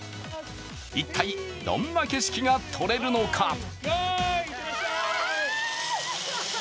一体どんな景色が撮れるのか。